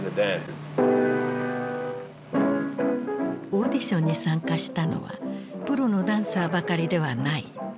オーディションに参加したのはプロのダンサーばかりではない。